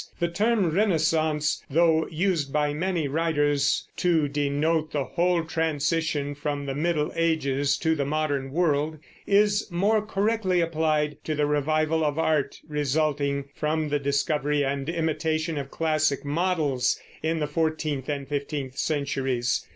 The term Renaissance, though used by many writers "to denote the whole transition from the Middle Ages to the modern world," is more correctly applied to the revival of art resulting from the discovery and imitation of classic models in the fourteenth and fifteenth centuries.